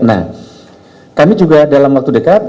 nah kami juga dalam waktu dekat